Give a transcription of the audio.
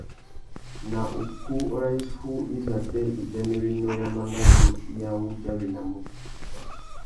Nà ukú râ iffúh izâtê ibianéwénô ya mangazú i awudjawenamú?